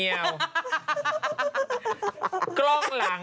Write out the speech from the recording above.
ปล่อยให้เบลล่าว่าง